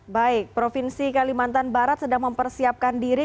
baik provinsi kalimantan barat sedang mempersiapkan diri